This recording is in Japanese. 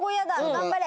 頑張れ。